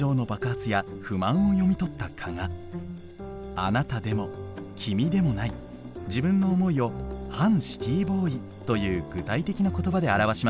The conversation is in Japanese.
「あなた」でも「きみ」でもない自分の思いを「反シティーボーイ」という具体的な言葉で表しました。